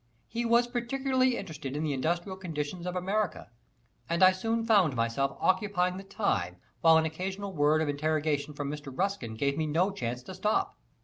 He was particularly interested in the industrial conditions of America, and I soon found myself "occupying the time," while an occasional word of interrogation from Mr. Ruskin gave me no chance to stop.